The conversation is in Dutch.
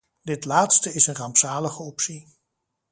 Dit laatste is een rampzalige optie.